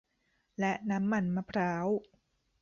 และน้ำมันมะพร้าว